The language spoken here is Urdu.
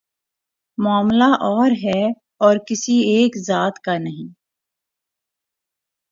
معاملہ اور ہے اور کسی ایک ذات کا نہیں۔